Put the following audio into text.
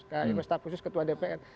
kak irma staff khusus ketua dpr